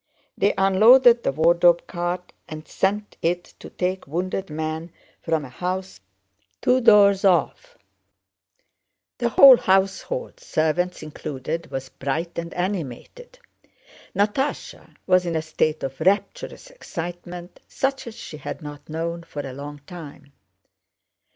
They unloaded the wardrobe cart and sent it to take wounded men from a house two doors off. The whole household, servants included, was bright and animated. Natásha was in a state of rapturous excitement such as she had not known for a long time.